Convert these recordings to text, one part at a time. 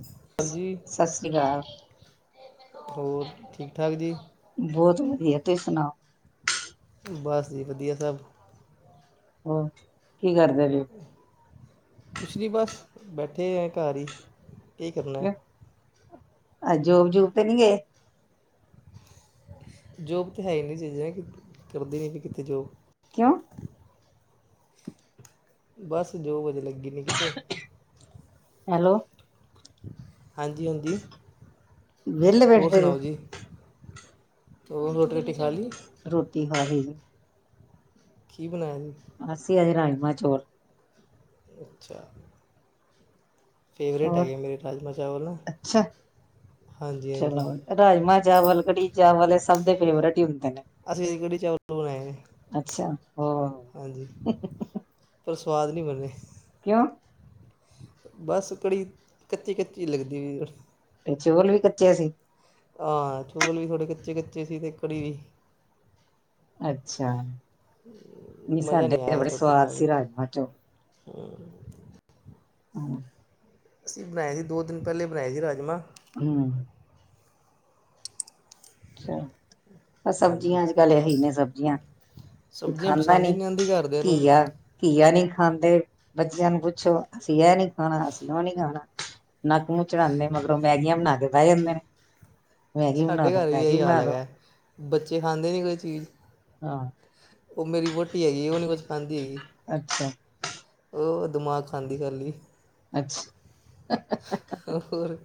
ਹਾਂਜੀ ਸਤਿ ਸ੍ਰੀ ਅਕਾਲ ਹੋਰ ਠੀਕ ਠਾਕ ਜੀ। ਬਹੁਤ ਵਧੀਆ ਤੁਸੀਂ ਸੁਣਾ। ਬਸ ਜੀ ਵਧੀਆ ਸਭ। ਹਾ ਕੀ ਕਰਦੇ ਜੇ? ਕੁਛ ਨੀ ਬਸ ਬੈਠੇ ਆ ਘਰ ਈ, ਕੀ ਕਰਨੈ। ਕਿਉਂ ਅੱਜ ਜੋਬ-ਜੂਬ ਤੇ ਨੀ ਗਏ? ਜੋਬ ਤੇ ਹੈ ਹੀ ਨਈ ਜੀ ਜੇ ਕਿ ਕਿੱਥੇ ਵੱਧਦੀ ਵੀ ਨੀ ਜੋਵ। ਕੇਓਂ? ਬਸ ਜੋਵ ਅਜੇ ਲੱਗੀ ਨੀ ਕਿਤੇ। ਹੈਲੋ ਹਾਂਜੀ ਹਾਂਜੀ ਵਿਹਲੇ ਬੈਠੇ ਹੋਰ ਪਏ ਹੋ? ਸੁਣਾਓ ਜੀ। ਰੋਟ ਰੋਟੀ ਖਾ ਸੀਗੀ। ਕੀ ਬਣਾਇਆ ਜੀ ਅਸੀਂ ਅੱਜ ਰਾਜਮਾ ਚੌਲ। ਅੱਛਾ ਫੇਵਰੇਟ ਹੋਰ ਹੈਗੇ ਮੇਰੇ ਰਾਜਮ ਚਾਵਲ ਅੱਛਾ ਹਾਂਜੀ ਹਾਂਜੀ ਚਲੋ ਰਾਜਮਾਂ ਚਾਵਲ ਕੜੀ ਚਾਵਲ ਸਭ ਦੇ ਫੇਵਰੇਟ ਹੀ ਹੁੰਦੇ। ਨੇ ਅਸੀਂ ਇਹਦੀ ਕੜੀ ਚਾਵਲ ਬਣਾ ਆਏ ਨੇ ਅੱਛਾ ਹੋਰ ਹਾਂਜੀ। ਪਰ ਸਵਾਦ ਨਹੀਂ ਬਨੇ। ਕਿਉਂ? ਬੱਸ ਕੜੀ ਕੱਚੀ ਕੱਚੀ ਲੱਗਦੀ ਵੀ। ਤੇ ਚੋਲ ਵੀ ਕੱਚੇ ਸੀ। ਆ ਚੋਲ ਵੀ ਤੁਹਾਡੇ ਕੱਚੇ ਕੱਚੇ ਸੀ ਤੇ ਕੜੀ ਵੀ। ਅੱਛਾ ਨਹੀਂ ਮਜ਼ਾ ਸਾਡੇ ਬੜੇ ਸਵਾਦ ਸੀ ਰਾਜਮਾਂ ਚੋਲ ਹੂੰ ਹਮ ਅਸੀਂ ਬਣਾਏ ਸੀ ਦੋ ਦਿਨ ਪਹਿਲੇ ਬਣਾਏ ਸੀ ਰਾਜਮਾਂ ਹੂੰ ਅਛਾ ਪਰ ਹਾਂਜੀ ਸਬਜ਼ੀਆਂ ਅੱਜ ਕੱਲ ਇਹੀ ਨੇ ਸਬਜ਼ੀਆਂ ਕੋਈ ਸਬਜ਼ੀਆਂ ਖਾਂਦਾ ਪਸੰਦ ਹੀ ਨੀ ਨਹੀਂ ਆਉਂਦੀ ਘਰਦਿਆਂ ਨੂੰ ਘੀਆ ਘੀਆ ਨੀ ਖਾਂਦੇ ਬੱਚਿਆਂ ਨੂੰ ਪੁੱਛੋ ਅਸੀਂ ਇਹ ਨੀ ਖਾਣਾ ਅਸੀਂ ਉਹ ਨੀ ਖਾਣਾ ਨੱਕ ਮੂੰਹ ਚੜਾਉਂਦੇ ਮਗਰੋਂ ਮੈਗੀਆਂ ਬਣਾ ਕੇ ਬਹਿ ਜਾਂਦੇ ਨੇ ਮੈਗੀ ਬਣਾ ਸਾਡੇ ਦੋ ਘਰ ਮੈਗੀ ਇਹੀ ਹਾਲ ਬਣਾ ਦੋ ਹੈਗਾ ਬੱਚੇ ਖਾਂਦੇ ਨੇ ਕੁਝ। ਹਾਂ ਉਹ ਮੇਰੀ ਵਹੁਟੀ ਹੈਗੀ ਉਹ ਨਹੀਂ ਕੁਛ ਅੱਛਾ ਬਹੁਤ ਦਿਮਾਗ ਖਾਂਦੀ ਰਹਿੰਦੀ। ਅੱਛ ਹੋਰ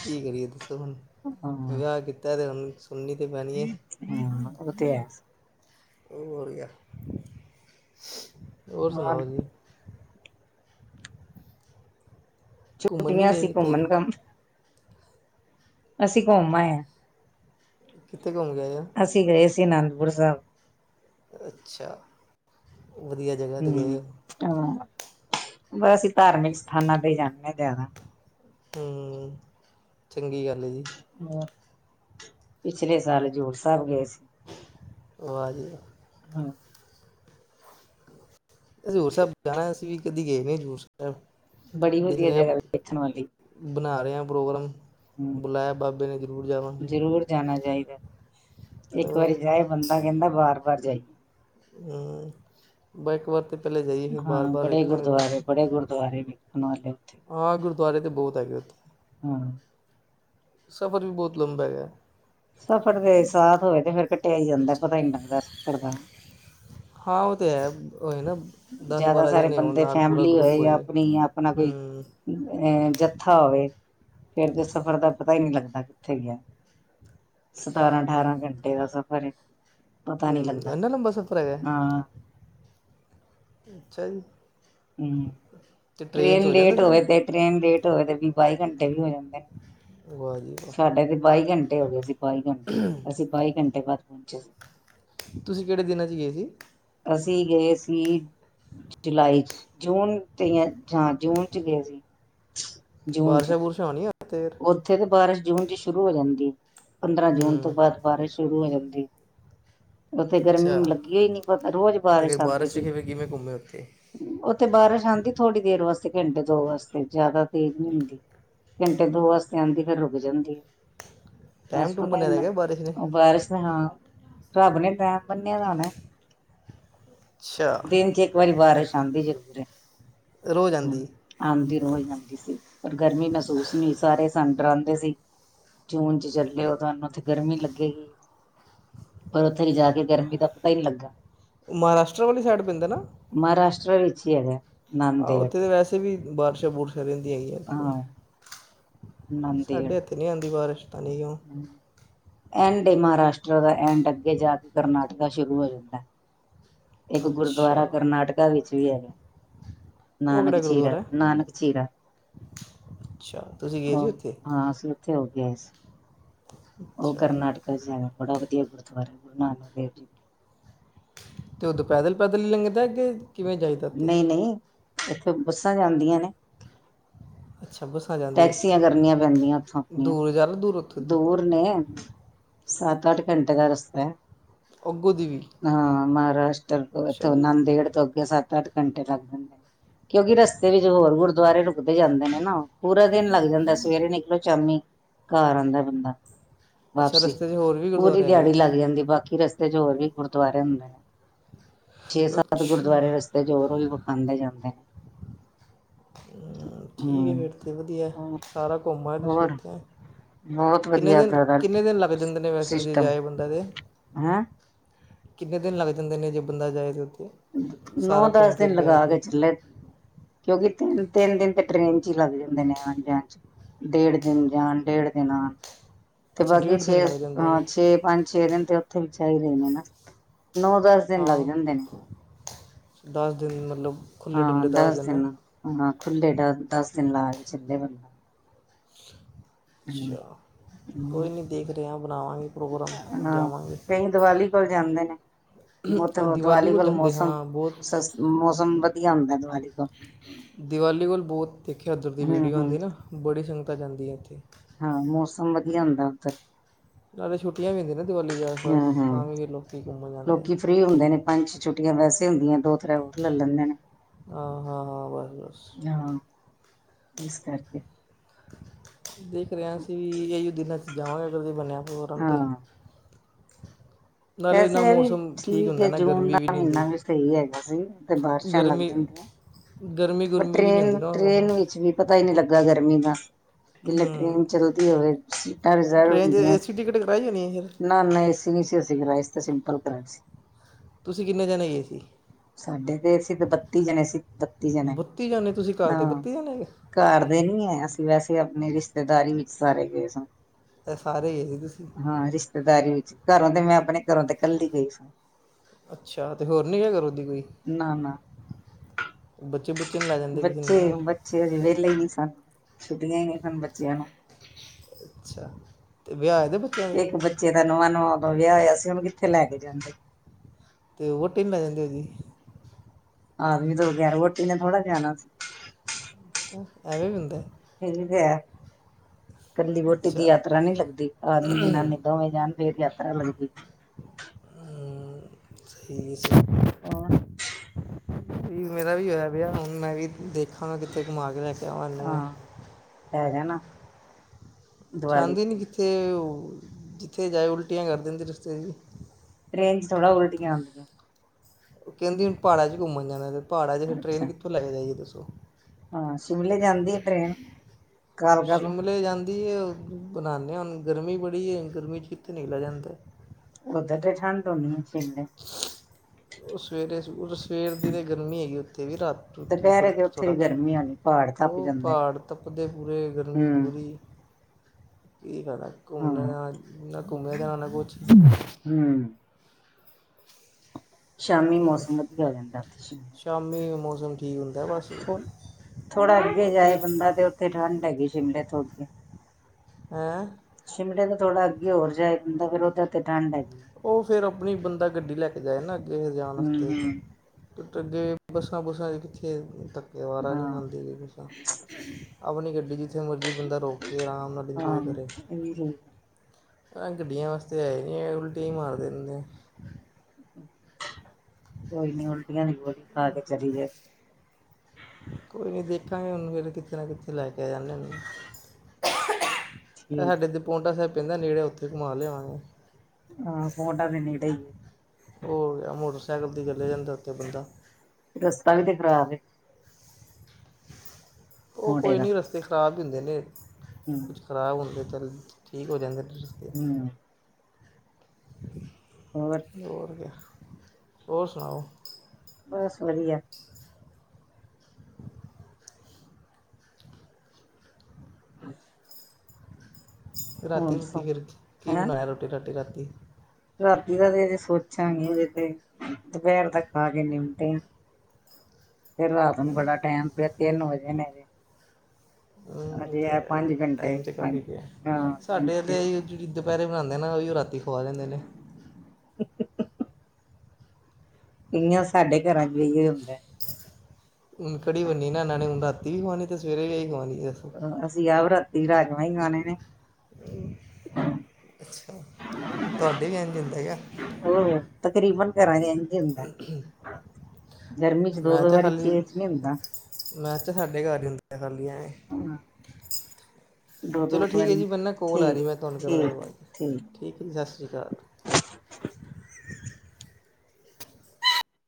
ਕੀ ਕਰੀਏ ਤੁਸੀ। [unintelligible] ਹਾਂ ਵਿਆਹ ਕੀਤਾ ਕੀਤਾ ਤੇ ਹ ਸੁਨੀ ਤੇ ਪੈਣੀ ਏ ਹਾਂ ਉਹ ਤੇ ਹੈ ਹੋਰ ਕਿਆ ਹੋਰ ਸੁਣਾਓ ਜੀ ਘੁੰਮਣ ਨਹੀਂ ਛੁੱਟੀਆਂ ਸੀ ਗਏ ਕਿਤੇ ਘੁੰਮਣ ਘਮ ਅਸੀਂ ਘੁੰਮ ਆਏ ਆਂ ਕਿੱਥੇ ਘੁੰਮ ਕੇ ਆਏ ਜੇ ਸ੍ਰਨੰਦਪੁਰ ਸਾਹਿਬ ਅੱਛਾ ਵਧੀਆ ਜਗ੍ਹਾ ਤੇਤੇ ਹਮ ਗਏ ਹੋ ਹਾਂ ਬਸ ਧਾਰਮਿਕ ਸਥਾਨਾਂ ਤੇ ਜਾਂਦੇ ਆਂ ਜ਼ਿਆਦਾ ਹੂੰ ਚੰਗੀ ਗੱਲ ਏ ਜੀ ਹੋਰ ਪਿਛਲੇ ਸਾਲ ਹਜੂਰ ਸਾਹਿਬ ਗਏ ਸੀ ਵਾਹ ਜੀ ਵਾਹ ਹੂੰ ਹਜ਼ੂਰ ਸਾਹਿਬ ਜਾਣਾ ਅਸੀਂ ਵੀ ਕਦੇ ਗਏ ਨ ਹਜ਼ੂਰ ਬੜੀ ਸਾਹਿਬ ਦੇਖ ਵਧੀਆ ਰਹੇ ਹ ਜਗ੍ਹਾ ਵੇਖਣ ਵਾਲੀ ਬਣਾ ਰਹੇ ਹ ਪ੍ਰੋਗਰਾਮ ਹਮ ਬੁਲਾਇਆ ਬਾਬੇ ਨੇ ਜ਼ਰੂਰ ਜਾਵਾਂਗੇ। ਜ਼ਰੂਰ ਜਾਣਾ ਚਾਹੀਦਾ ਇੱਕ ਹੋਰ ਵਾਰੀ ਜਾਏ ਬੰਦਾ ਕਹਿੰਦਾ ਬਾਰ ਬਾਰ ਜਾਈਏ। ਬ ਇੱਕ ਵਾਰ ਤਾਂ ਪਹਿਲਲੇ ਜਾਈਏ ਫਿਰ ਬਾਰ ਹਾਂ ਬਾਰ ਬੜੇ ਵੇਖਾਂਗੇ ਬਾਅਦ ਗੁਰਦੁਆਰੇ ਚ। ਬੜੇ ਗੁਰਦੁਆਰੇ ਵੇਖਣ ਵਾਲੇ ਉੱਥੇ ਹਾਂ ਗੁਰਦੁਆਰੇ ਤਾਂ ਬਹੁਤ ਹੈਗੇ ਉੱਥੇ। ਹਾਂ ਸਫ਼ਰ ਵੀ ਬਹੁਤ ਲੰਬਾ ਆ ਸਫ਼ਰ ਦੇ ਸਾਥ ਹੋਵੇ ਤੇ ਫਿਰ ਕਟਿਆ ਈ ਜਾਂਦਾ ਪਤਾ ਈ ਨੀ ਲੱਗਦਾ ਸਫ਼ਰ ਦਾ ਹਾਂ ਉਹ ਤੇ ਹੈ ਉਹਏ ਨਾ ਦਸ ਜ਼ਿਆਦਾ ਬਾਰ੍ਹਾਂ ਸਾਰੇ ਜਣੇ ਹੋਣ ਬੰਦੇ ਨਾਲ ਪੂਰਾ ਫੈਮਿਲੀ ਗਰੁੱਪ ਜਾਂ ਹੋਏ ਆਪਣੀ ਜਾਂ ਆਪਣਾ ਕੋਈ ਅ ਜਥਾ ਹੋਵੇ ਫਿਰ ਦੇ ਸਫ਼ਰ ਦਾ ਪਤਾ ਹੀ ਨਹੀਂ ਲੱਗਦਾ ਕਿੱਥੇ ਗਿਆ ਸਤਾਰਾਂ ਅਠਾਰਾਂ ਘੰਟੇ ਦਾ ਸਫ਼ਰ ਏ ਪਤਾ ਨੀ ਹੂੰ ਲੱਗਦਾ ਇੰਨਾ ਲੰਬਾ ਸਫ਼ਰ ਹੈਗਾ ਆਂ ਅੱਛਾ ਜੀ ਹੂੰ ਅਤੇ ਟ੍ਰੇਨ 'ਚ ਹੋ ਜਾਂਦਾ ਲੇਟ ਹੋਵੇ ਤੇ ਸਫ਼ਰ ਟ੍ਰੇਨ ਲੇਟ ਹੋਵੇ ਤੇ ਵੀਹ ਬਾਈ ਘੰਟੇ ਵੀ ਹੋ ਜਾਂਦੇ ਨੇ ਵਾਹ ਜੀ ਵਾਹ ਸਾਡੇ ਤੇ ਬਾਈ ਘੰਟੇ ਹੋ ਗਏ ਸੀ ਬਾਈ ਘੰਟੇ ਅਸੀਂ ਬਾਈ ਘੰਟੇ ਬਾਦ [unintelligible] ਤੁਸੀਂ ਕਿਹੜੇ ਦਿਨਾਂ 'ਚ ਗਏ ਸੀ ਅਸੀਂ ਗਏ ਸੀ ਜੁਲਾਈ ਚ ਜੂਨ ਤੇ ਹ ਜੂਨ ਚ ਗਏ ਸੀ ਜੂਨ ਚ ਬਾਰਿਸ਼ਾਂ ਬੁਰਸ਼ਾਂ ਆਉਣਣੀਆਂ ਉੱਥੇ ਤੇ ਬਾਰਿਸ਼ ਜੂਨ ਚ ਸ਼ੁਰੂ ਹੋ ਜਾਂਦੀ ਪੰਦਰਾਂ ਜੂਨ ਤੋਂ ਹੂੰ ਬਾਅਦ ਬਾਰਿਸ਼ ਸ਼ੁਰੂ ਹੋ ਜਾਂਦੀ ਉੱਥੇ ਅੱਛਾ ਗਰਮੀ ਲੱਗੀ ਅਤੇ ਹੀ ਨਤਾ ਰੋਜ਼ ਫਿਰ ਬਾਰਿਸ਼ ਆਉਂਦੀ 'ਚ ਸੀ ਕਿਵੇਂ ਕਿਵੇਂ ਘੁੰਮੇ ਉੱਥੇ [unintelligible] ਉੱਥੇ ਬਾਰਿਸ਼ ਆਉਂਦੀ ਥੋੜੀ ਦੇਰ ਵਾਸਤੇ ਘੰਟੇ ਦੋ ਵਾਸਤੇ ਜਿਆਦਾ ਤੇਜ਼ ਨਹੀ ਹੁੰਦੀ [inaudible] ਦੋ ਵਾਸਤੇ ਆਉਂਦੀ ਫੇਿਰ ਰੁਕ ਜਾਂਦੀ ਟਾਈਮ ਬਸ ਟੂਮ ਪਤਾ ਬਣਿਆ ਇਨਾ ਹੈਗਾ ਬਾਰਿਸ਼ ਨੇ ਉਹ ਬਾਰਸ਼ ਨੇ ਹਾਂ ਰੱਬ ਨੇ ਟੈਮ ਬਨਿਆ ਦਾ ਨਾ ਅੱਛਾ ਦਿਨ ਚ ਇਕ ਵਾਰੀ ਬਾਰਿਸ਼ ਆਂਦੀ ਜ਼ਰੂਰ ਐ ਰੋਜ਼ ਹੂੰ ਆਉਂਦੀ ਆਂਦੀ ਰੋਜ਼ ਆਂਦੀ ਸੀ ਪਰ ਗਰਮੀ ਮਹਿਸੂਸ ਨਈ ਸੰੰਡ ਡਰਾਂਦੇ ਸੀ ਜੂਨ ਚ ਚੱਲਿਓ ਤੁਹਾਨੂੰ ਉੱਥੇ ਗਰਮੀ ਲੱਗੇਗੀ ਪਰ ਉੱਥੇ ਜਾ ਕੇ ਗਰਮੀ ਦਾ ਪਤਾ ਹੀ ਨਹੀ ਲੱਗਾ ਮਹਾਰਾਸ਼ਟਰ ਵਾਲੀ ਸਾਈਡ ਪੈਂਦਾ ਨਾ [unintelligible] ਆ ਨਾਂਦੇੜ ਉੱਥੇ ਤਾਂ ਵੈਸੇ ਵੀ ਬਾਰਸ਼ਾਂ ਬੁਰਸ਼ਾਂ ਰਹਿੰਦੀਆਂ ਇਆਂ ਓਥੇ ਹਾਂ ਨਾਂਦੇੜ ਸਾਡੇ ਇੱਥੇ ਨਹੀਂ ਆਉਂਦੀ ਬਾਰਿਸ਼ ਪਤਾ ਨੀ ਕਿਉਂ ਐਂਡ ਏ ਮਹਾਰਾਸ਼ਟਰਾ ਦਾ ਐਂਡ ਅੱਗੇ ਜਾ ਕੇ ਕਰਨਾਟਕਾ ਸ਼ੁਰੂ ਹੋ ਜਾਂਦਾ ਹੈ ਇੱਕ ਅੱਛਾ ਗੁਰਦੁਆਰਾ ਕਰਨਾਟਕਾ ਵਿੱਚ ਵੀ ਹੈਗਾ। ਉਹ ਨਾਨਕ ਕਿਹੜਾ ਚੀਰਾ, ਗੁਰਦੁਆਰਾ ਹੈ ਨਾਨਕ ਚੀਰਾ ਅੱਛਾ, ਤੁਸੀਂ ਗਏ ਸੀ ਓਥੇ? ਥੇ ਹੋ ਕੇ ਆਏ ਸੀ। ਓ ਅੱਛਾ ਕਰਨਾਟਕਾ ਚ ਹੈਗਾ, ਬੜਾ ਵਧੀਆ ਗੁਰਦੁਆਰਾ ਗੁਰੂ ਨਾਨਕ ਦੇਵ ਜੀ ਦਾ। ਦੋ ਪੈਦਲ ਪੈਦਲ ਈ ਲੰਘਦੈ? ਕਿਵੇਂ ਜਾਈਦਾ ਉੱਤੇ? ਨਹੀਂ ਨਹੀਂ ਇੱਥੇ ਬੱਸਾ ਜਾਂਦੀਆਂ ਨੇ। ਅੱਛਾ ਬੱਸਾਂ ਜਾਂਦੀਆਂ ਉੱਥੇ ਟੈਕਸੀਆ ਕਰਨੀਆ ਪੈਂਦੀਆ ਓਥੋ ਆਪਨੀਆ। ਦੂਰ ਜ਼ਿਆਦਾ ਦੂਰ ਉੱਥੋਂ ਦੀ ਦੂਰ ਨੇ ਸੱਤ-ਅਠ ਘੰਟੇ ਦਾ ਰਸਤਾ ਐ। ਅੱਗੋਂ ਦੀ ਵੀ ਹਾਂ ਮਹਾਰਾਸ਼ਟਰ ਤੋਂ ਅੱਛਾ ਇਥੋ ਜੀ ਨਾਂਦੇੜ ਤੋਂ ਅੱਗੇ ਸੱਤ-ਅੱਠ ਘੰਟੇ ਲੱਗ ਜਾਂਦੇ ਆ ਕੇਓਂਕੇ ਰਸਤੇ ਵਿੱਚ ਹੋਰ ਗੁਰਦੁਆਰੇ ਰੁਕਦੇ ਜਾਂਦੇ ਨੇ ਨਾ ਓ। ਪੂਰਾ ਦਿਨ ਲੱਗ ਜਾਂਦਾ ਸਵੇਰੇ ਨਿਕਲੋ ਸ਼ਾਮੀ ਘਰ ਆਂਦੈ ਬੰਦਾ, ਅੱਛਾ ਵਾਪਸੀ ਰਸਤੇ 'ਚ ਹੋਰ ਵੀ ਪੂਰੀ ਗੁਰਦੁਆਰੇ ਹੈਗੇ ਦਿਆੜੀ ਉੱਥੇ ਲੱਗ ਜਾਂਦੀ ਬਾਕੀ ਰ ਤੇ ਹੋਰ ਵੀ ਗੁਰਦੁਆਰੇ ਹੁੰਦੇ ਨੇ। ਛੇ ਸੱਤ ਅੱਛਾ ਗੁਰਦੁਆਰੇ ਰਸਤੇ ਚ ਹੋਰ ਵੀ ਵਿਖਾਦੇ ਜਾਂਦੇ ਨੇ ਠੀਕ ਹੈ ਫਿਰ ਹਮ ਤਾਂ ਵਧੀਆ ਸਾਰਾ ਘੁੰਮ ਆਏ ਤੁਸੀਂ ਹੋਰ ਉੱਥੇ ਬਹੁਤ ਕਿੰਨੇ ਵਧੀਆ ਦਿਨ ਦਾਦਾ ਕਿੰਨੇ ਦਿਨ ਲੱਗ ਜਾਂਦੇ ਨੇ ਵੈਸੇ ਜੇ ਸਿਸਟਮ ਜਾਏ ਬੰਦਾ ਜੇ ਹੈਂ ਕਿੰਨੇ ਦਿਨ ਲੱਗ ਜਾਂਦੇ ਨੇ ਜੇ ਬੰਦਾ ਜਾਏ ਓਥੇ ਨੌ-ਦਸ ਦਿਨ ਲਗਾ ਕੇ ਚੱਲੇ, ਕੇਓਂਕਿ ਤਿੰਨ ਤਿੰਨ ਦਿਨ ਤੇ ਟਰੇਨ ਚ ਈ ਲੱਗ ਜਾਂਦੇ ਨੇ ਆਨ-ਜਾਨ ਚ। ਡੇਢ ਦਿਨ ਜਾਨ, ਡੇਢ ਦਿਨ ਆਨ ਤੇ ਅੱਛਾ ਬਾਕੀ ਡੇਢ ਛੇ ਦਿਨ ਲੱਗ ਜਾਂਦੇ ਹਾ ਨੇ ਛੇ ਪੰਜ ਛੇ ਦਿਨ ਤੇ ਓਥੇ ਵੀ ਚਾਹੀਦੇ ਨੇ ਨਾ, ਨੋ-ਦਸ ਦਿਨ ਲੱਗ ਹਾਂ ਜਾਂਦੇ ਨੇ। ਦਸ ਦਿਨ ਮਲਬ ਹਾਂ ਦਸ ਦਿਨ, ਹਾਂ ਖੁੱਲੇ ਡਸ ਦਸ ਦਿਨ ਲਾ ਕੇ ਚੱਲੇ ਬੰਦਾ। ਹੂੰ ਅੱਛਾ, ਕੋਈ ਨਈ ਦੇਖ ਰਹੇ ਆਂ ਹਾਂ ਕਈ ਦੀਵਾਲੀ ਕੋਲ ਜਾਂਦੇ ਨੇ। ਆਹ ਓਥੋ ਦੀਵਾਲੀ ਕੋਲ ਜਾਂਦੇ ਮੌਸਮ ਹਾਂ ਬਹੁਤ ਸਸ ਮੌਸਮ ਵਧੀਆ ਹੁੰਦਾ ਦੀਵਾਲੀ ਕੋਲ। ਦੀਵਾਲੀ ਕੋਲ ਬੋਤ ਦੇਖਿਆ ਓਦਰ ਦੀ ਹੂੰ ਵੀਡੀਓ ਹੂੰ ਆਂਦੀ ਨਾ, ਬੜੀ ਸੰਗਤਾਂ ਜਾਂਦੀਆਂ ਇੱਥੇ। ਹਾਂ ਮੌਸਮ ਵਧੀਆ ਹੁੰਦਾ ਓਧਰ। ਨਾਲੇ ਛੁੱਟੀਆ ਵੀ ਹੁੰਦੀਆ ਨਾ ਦਿਵਾਲੀ ਦੇ ਆਸ-ਪਾਸ ਹੂੰ ਤਾਂ ਵੀ ਫਿਰ ਲੋਕੀ ਘੁੰਮਨ ਜਾਂਦੇ ਆ। ਛੁੱਟੀਆ ਵੈਸੇ ਹੁੰਦੀਆਂ ਦੋ-ਤਰੈ ਹੋਰ ਲਲ ਲੈਂਦੇ ਨੇ। ਹਾ ਹਾ ਹਾਂ, ਬਸ ਬੱਸ। ਹਾਂ ਇਸ ਕਰਕੇ। ਦੇਖ ਰਏ ਆ ਅਸੀ ਵੀ ਏਈਓ ਦਿਨਾਂ 'ਚ ਜਾਵਾਂਗੇ ਅਗਰ ਜੇ ਬੰਨੇਆ ਪ੍ਰੋਗਰਾਮ ਹਾਂ ਤੇ। ਨਾਲੇ ਵੈਸੇ ਨਾ ਐ ਵੀ ਮੌਸਮ ਠੀਕ ਹੁੰਦਾ ਏ ਨਾ ਜੂਨ ਦਾ ਗਰਮੀ ਨਹੀਂ ਮੀਨਾ ਹੁੰਦੀ ਵੀ ਸਈ ਹੈ ਬਾਰਿਸ਼ਾਂ ਲੱਗ ਗਰਮੀ ਜਾਂਦੀਐ ਗਰਮੀ ਪਰ ਗੁਰਮੀ ਵੀ ਨਹੀਂ ਹੁੰਦੀ ਟ੍ਰੇਨ, ਨਾ ਉਹ ਮੌਸਮ ਟ੍ਰੇਨ ਵਿੱਚ ਵੀ ਪ ਤਾ ਈ ਨਈ ਲੱਗਾ ਗਰਮੀ ਦਾ। ਜਿਲੇ ਟ੍ਰਰੇਨ ਚੱਲਦੀ ਹੋਵੇ, ਸੀਟਾਂ ਰਿਜ਼ਰਵ ਟ੍ਰੇਨ 'ਚ ਹੁੰਦੀਆਂ ਏ ਸੀ ਟਿਕਟ ਕਰਾਈ ਹੋਣੀ ਹੈ ਫਿਰ ਨਾ ਨਾ ਏ ਸੀ ਨਈ ਸੀ ਅਸੀ ਕਰਾਈ, ਅੱਸੀ ਤੇ ਸਿੰਪਲ ਕਰਾਈ ਸੀ। ਤੁਸੀਂ ਕਿੰਨੇ ਜਾਣੇ ਗਏ ਸੀ ਸਾਡੇ ਤੇ ਸਿੱਧ ਬੱਤੀ ਜਣੇ ਸੀ ਬੱਤੀ ਜਾਣੇ ਤੁਸੀਂ ਘਰ ਦੇ ਹਾਂ ਬੱਤੀ ਜਾਣੇ ਹੈਗੇ ਘਰ ਦੇ ਨੀ ਆ ਅਸੀ ਵੈਸੇ ਆਪਨੀ ਰਿਸਤੇਦਾਰੀ ਵਿੱਚ ਸਾਰੇ ਗਏ ਸਾਂ। ਤੇ ਸਾਰੇ ਗਏ ਸੀ ਤੁਸੀ। ਦਾਰੀ ਵਿੱਚ, ਘਰੋ ਤੇ ਮੈਂ ਆਪਨੇ ਘਰੋ ਤੇ ਕੱਲੀ ਗਈ ਸੀ। ਅੱਛਾ, ਤੇ ਹੋਰ ਨੀ ਗੇਆ ਘਰੋ ਦੀ ਕੋਈ? ਨਾ ਨਾ ਬੱਚੇ ਬੁ ਬੱਚੇ, ਬੱਚੇ ਹਜੇ ਵੇਲੇ ਹੀ ਨੀ ਸਨ, ਛੁੱਟੀਆਂ ਹੀ ਨਈ ਸਨ ਬੱਚੇਆਂ ਨੂੰ। ਅੱਛਾ। ਤੇ ਵਿਆਹ ਹੋਏ ਦੇ ਬੱਚਿਆਂ ਦੇ ਇੱਕ ਬੱਚੇ ਦਾ ਨਵਾਂ ਨਵਾਂ ਓਦੋ ਵਿਆ ਹੋਏਆ ਸੀ ਓਨੂੰ ਕਿੱਥੇ ਲੈ ਕੇ ਜਾਂਦੇ। ਤੇ ਵੋਤੀ ਨੂੰ ਲੈ ਜਾਂਦੇ ਓਦੀ। ਆਦਮੀ ਤੋਂ ਬਗੈਰ ਵੋਟੀ ਨੇ ਥੋੜਾ ਜਾਨਾ ਸੀ। ਅੱਛਾ ਐਵੇਂ ਵੀ ਹੁੰਦੈ। ਇਹਹੀ ਫ [inaudible] ਕੱਲੀ ਵੋਟੀ ਦੀ ਅੱਛਾ ਯਾਤਰਾ ਨੀ ਲੱਗਦੀ ਆਦਮੀ ਦੇ ਜਨਾਨੀ ਦੋਵੇ ਜਾਣ ਫੇਰ ਯਾਤਰਾ ਲੱਗਦੀ ਸਹੀ [inaudible] ਆ ਮੇਰਾ ਵੀ ਹੋਇਆ ਪਿਆ ਹੁਣ ਮੈਂ ਵੀ ਦੇ ਦੇਖਾਂ ਮੈਂ ਕਿੱਥੇ ਘੁਮਾ ਕੇ ਲੈ ਕੇ ਆਵਾ ਇਨੂੰ ਹਾਂ ਪੈ ਜਾਣਾ ਦੀਵਾਲੀ ਚਾਹਦੀ ਨਹੀਂ ਤੇ ਕਿੱਥੇ ਜਿੱਥੇ ਜਾਏ ਉਲਟੀਆਂ ਕਰ ਦੇਂਦੀ ਰਸਤੇ ਵਿਚ ਟ੍ਰੇਨ ਚ ਥੋੜਾ ਉਲਟੀਆ ਆਂਦੀਆਂ ਕਹਿੰਦੀ ਹੁਣ ਪਹਾੜ ' ਚ ਘੁੰਮਣ ਜਾਣਾ ਤੇ ਪਹਾੜਾਂ 'ਚ ਅੱਛਾ ਟ੍ਰੇਨ ਕਿੱਥੋਂ ਲੈ ਕੇ ਜਾਈਏ ਦੱਸੋ ਹਾਂ ਸ਼ਿਮਲੇ ਜਾਂਦੀ ਏ ਟ੍ਰੇਨ ਕਾਲਕਾ ਤੋ ਬਨਾਨੇ ਹੁਨ ਗਰਮੀ ਬੜੀ ਏ ਗਰਮੀ ਚ ਕਿਥੇ ਨਿਕਲ਼ਿਆ ਜਾਂਦਾ ਓਦਰ ਤੇ ਠੰਡ ਹੋਨੀ ਏ। ਸਵੇਰੇ ਸਵੇਰ ਦੀ ਤੇ ਗਰਮੀ ਹੈਗੀ ਓ ਤੇ ਵੀ ਰਾਤ ਰੁਤੀ ਦੁਪਹਿਰੇ ਫਰਕ ਤੇ ਉੱਥੇ ਥੋੜਾ ਵੀ ਗਰਮੀ ਹੋਣੀ ਪਹਾੜ ਤੱਪ ਉਹ ਜਾਂਦੇ ਨੇ ਪਹਾੜ ਤਪਦੇ ਪੂਰੇ ਗਰਮੀ ਹੂੰ ਪੂਰੀ ਕੀ ਪਤਾ ਘੁੰਮਣ ਹਾਂ ਜਾ ਨਾ ਘੁੰਮਣ ਜਾ ਨਾ ਕੁਛ [inaudible] ਹੂੰ ਸ਼ਾਮੀ ਮੌਸਮ ਵਧੀਆ ਹੋ ਜਾਂਦਾ ਸ਼ਾਮੀ ਮੌਸਮ ਠੀਕ ਹੁੰਦਾ ਬਸ ਵੀ ਥੋੜਾ ਅੱਗੇ ਜਾਏ ਬੰਦਾ ਤੇ ਉੱਥੇ ਠੰਡ ਹੈਗੀ ਸ਼ਿਮਲੇ ਤੋਂ ਅੱਗੇ ਹੇਂ ਸ਼ਿਮੜੇ ਤ ਥੋੜ੍ਹਾ ਅੱਗੇ ਹੋਰ ਜਾਏ ਬੰਦਾ ਤਾ ਫੇਰ ਉਧਰ ਤੇ ਠੰਡ ਹੈਗੀ ਉਹ ਫਿਰ ਆਪਣੀ ਬੰਦਾ ਗੱਡੀ ਲੈ ਕੇ ਜਾਏ ਨਾ ਅੱਗੇ ਜਾਣ ਹੂੰ ਆਸਤੇ ਹੂੰ [inaudible] ਬੱਸਾਂ ਕਿਥੇ ਧੱਕੇਦਾਰਾ ਨਹੀਂ ਹਾਂ ਖਦੀ ਅਪਣੀ ਗੱਡੀ ਜਿੱਥੇ ਮਰਜ਼ੀ ਬੰਦਾ ਰੋਕੇੇ ਅਰਾਮ ਨਾਲ ਇੰਜੋਏ ਹਾਂ ਕਰੇ ਇਹ ਵੀ ਠੀਕ ਗੱਡੀਆਂ ਵਾਸਤੇ ਹੈ ਈ ਨਹੀਂ ਏ ਉਲਟੀਆਂ ਹੀ ਮਾਰਦੇ ਰੇਂਦੇ ਕੋਈ ਨੀ ਉਲਟੀਆਂ ਦੀ ਗੋਲੀ ਖਾ ਕੇ ਚਲੀ ਜਾਏ ਕੋਈ ਦੇਖਾਂਗੇ ੳਨੂੰ ਫੇਿਰ ਕਿੱਥੇ ਨਾ ਕਿੱਥੇ ਲੈ ਕੇ ਆ ਜਾਂਦੇ ੳਨੂੰ ਇਹ ਠੀਕ ਸਾਡੇ ਤੇ ਪੋਂਟਾ ਸਾਹਿਬ ਪੇਂਦਾ ਨੇੜੇ ਉੱਥੇ ਘੁਮਾ ਲਿਆਵਾਂਗੇ ਹਾ ਪੋਂਟਾ ਸਾਹਿਬ ਨੇੜੇ ਈ ਉਹ ਏ ਹੋ ਗਿਆ ਮੋਟਰਸਾਈਕਲ 'ਤੇ ਚੱਲੇ ਜਾਂਦਾ ਉੱਥੇ ਬੰਦਾ ਰਸਤਾ ਵੀ ਤੇ ਖ਼ਰਾਬ ਏ ਉਹ ਪੌਂਟੇ ਕੋਈ ਦਾ ਨਹੀਂ ਰਸਤੇ ਖਰਾਬ ਵੀ ਹੁੰਦੇ ਨੇ ਹੂੰ ਕੁਛ ਖਰਾਬ ਹੁੰਦੇ ਚੱਲ ਠੀਕ ਹੋ ਜਾਂਦੇ ਨੇ ਰਸਤੇ ਹੁ ਹੋਰ ਹੋਰ ਸੁਣਾਓ ਬਸ ਵਧੀਆ ਹੋਰ ਰਾਤੀ ਰੁਤੀ ਦੱਸੋ ਫੇਿਰ ਕੀ ਹੈਂ ਬਨਾਇਆ ਰੋਟੀ ਰਾਟੀ ਰਾਤੀ ਰਾਤੀ ਦਾ ਤੇ ਅਜੇ ਸੋਚਾਂਗੇ ਅਜੇ ਤੇ ਦੁਪਹਿਰ ਦਾ ਖਾ ਕੇ ਨਿੰਪਟਿਆ [inaudible] [inaudible] ਫੇਰ ਰਾਤ ਨੂੰ ਬੜਾ ਟੈਮ ਪਿਆ ਤਿੰਨ ਵਜੇ ਨੇ ਹੁ ੳਹ ਅਜੇ ਤੇ ਐ ਹੈ ਪੰਜ ਘੰਟੇ ਟਾਈਮ ਤੇ ਪੰਜ ਕਾਫੀ ਪਿਆ ਹਾਂ ਪੰਜ ਸਾਡੇ ਛੇ ਤੇ ਦੁਪਹਿਰੇ ਬਹਾਨੇ ਨਾਲ ਉਹ ਵੀ ਰਾਤੀ ਖੁਆ ਦੇਂਦੇ ਨੇ ਕਈਆਂ ਸਾਡੇ ਘਰਾਂ ਚ ਇਹੀ ਹੁੰਦਾ ਹੁਨ ਕੜੀ ਬੰਨੀ ਨਾ ਇਹਨਾਂ ਨੇ ਹੁਨ ਰਾਤੀ ਵੀ ਖਉਣੀ ਤੇ ਸਵੇਰੇ ਵੀ ਇਹੀ ਖਵਾਉਣੀ ਦੱਸੋ ਅਸੀਂ ਆਪ ਰਾਤੀ ਰਾਜਮਾਂ ਹੀ ਖਾਣੇ ਨੇ ਤੁਹਾਡੇ ਵੀ ਐਨ ਜ਼ਿੰਦਾ ਆ [inaudible] ਉਹ ਤਕਰੀਬਨ ਘਰਾਂ [inaudible] ਹੀ [inaudible] ਹੁੰਦਾ ਗਰਮੀ ਚ ਦੋ ਮੈਂ ਦੋ ਤਾਂ ਵਾਰੀ ਖਾਲੀ ਚੇਂਜ ਨਹੀਂ ਹੁੰਦਾ ਮੈਂ ਤਾਂ ਸਾਡੇ ਘਰ ਹੀ ਹੁੰਦਾ ਆ ਖਾਲੀ ਐਂ [inaudible] ਆਹ [inaudible] ਚਲੋ ਠੀਕ ਏ ਜੀ ਮੈਂ ਨਾ ਕੋਲ ਆ ਰਹੀ ਠੀਕ ਮੈਂ ਤੁਹਾਨੂੰ ਠੀਕ ਠੀਕ ਏ ਜੀ ਸਸ ਸ੍ਰੀ ਕਾਲ।